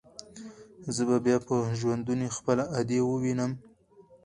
زه به بيا په ژوندوني خپله ادې ووينم.